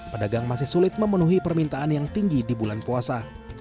pedagang masih sulit memenuhi permintaan yang tinggi di bulan puasa